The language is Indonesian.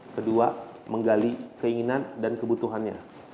kedua menggali keinginan dan kebutuhannya